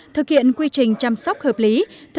thực hiện quy trình chăm sóc hợp lý